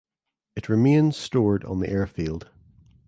It remains stored on the airfield.